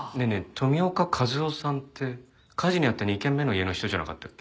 富岡和夫さんって火事に遭った２軒目の家の人じゃなかったっけ？